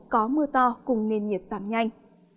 có mưa to cùng nền nhiệt giảm nhanh